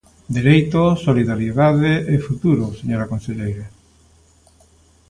Dereito, solidariedade e futuro, señora conselleira.